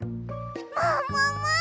ももも！